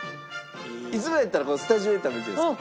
いつもやったらスタジオで食べるじゃないですか。